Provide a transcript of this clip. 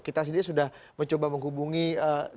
kita sendiri sudah mencoba menghubungi duta besar